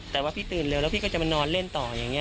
แต่ว่าพี่ตื่นเร็วแล้วพี่ก็จะมานอนเล่นต่ออย่างนี้